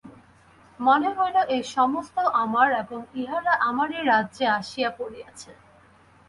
মনে হইল এ-সমস্তই আমার এবং ইহারা আমারই রাজ্যে আসিয়া পড়িয়াছে।